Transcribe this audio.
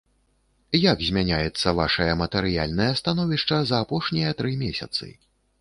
Як змяняецца вашае матэрыяльнае становішча за апошнія тры месяцы?